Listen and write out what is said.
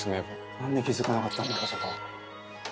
何で気付かなかったんだろうそこ。